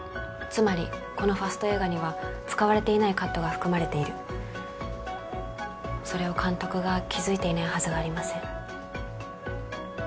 つまりこのファスト映画には使われていないカットが含まれているそれを監督が気づいていないはずがありません